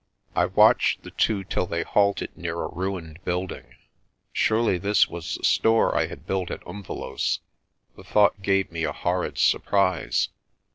I watched the two till they halted near a ruined building. Surely this was the store I had built at Umvelos'. The thought gave me a horrid surprise.